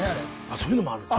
あそういうのもあるの？